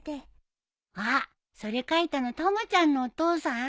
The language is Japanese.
あっそれ書いたのたまちゃんのお父さん？